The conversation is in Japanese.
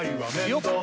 よっ！